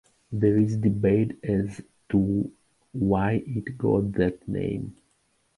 There is debate as to why it got that name.